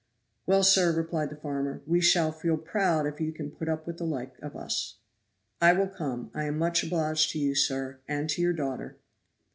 "Well, sir," replied the farmer, "we shall feel proud if you can put up with the like of us." "I will come. I am much obliged to you, sir, and to your daughter."